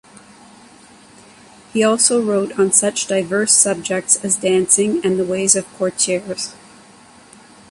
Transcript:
He also wrote on such diverse subjects as dancing and the ways of courtiers.